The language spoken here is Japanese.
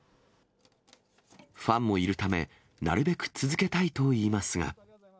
ファンもいるため、なるべく続けたいといいますが。